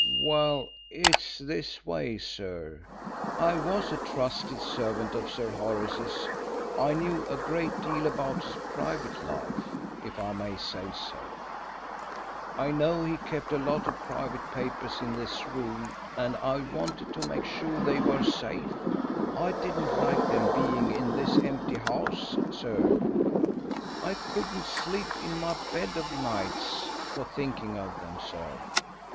"Well, it's this way, sir. I was a trusted servant of Sir Horace's. I knew a great deal about his private life, if I may say so. I know he kept a lot of private papers in this room, and I wanted to make sure they were safe I didn't like them being in this empty house, sir. I couldn't sleep in my bed of nights for thinking of them, sir.